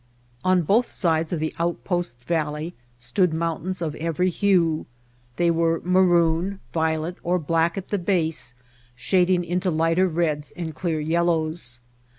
On both sides of the outpost valley stood mountains of every hue. They were maroon, violet, or black at the base shading into lighter reds and clear yellows.